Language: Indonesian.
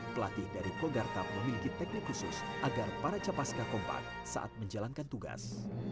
pelatih dari kogarta memiliki teknik khusus agar para capaska kompak saat menjalankan tugas